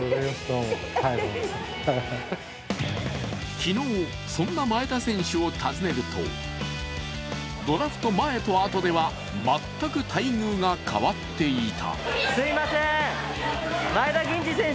昨日、そんな前田選手を訪ねるとドラフト前と後では全く待遇が変わっていた。